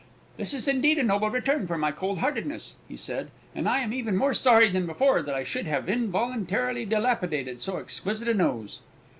"This is, indeed, a noble return for my coldheartedness," he said, "and I am even more sorry than before that I should have involuntarily dilapidated so exquisite a nose."